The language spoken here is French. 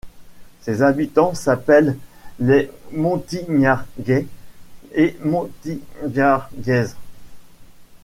Ses habitants s'appellent les Montignargais et Montignargaises.